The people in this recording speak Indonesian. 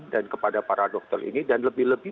dan kepada para dokter ini dan lebih lebih